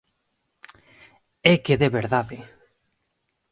¡É que de verdade!